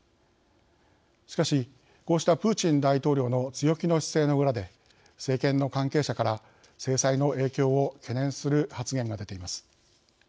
しかしこうしたプーチン大統領の強気の姿勢の裏で政権の関係者から制裁の影響を懸念する発言が出ています。